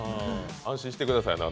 安心してくださいね。